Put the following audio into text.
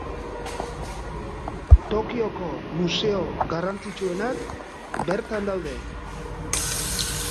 Tokioko museo garrantzitsuenak bertan daude.